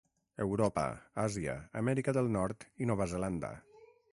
Europa, Àsia, Amèrica del Nord i Nova Zelanda.